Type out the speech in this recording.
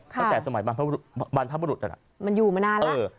ตั้งแต่สมัยบ้านพระบุรุษบ้านพระบุรุษน่ะมันอยู่มานานแล้วเออ